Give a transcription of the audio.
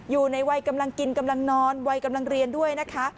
อยู่ในวัยกำลังกินกำลังนอนวัยกำลังเรียนด้วยนะคะ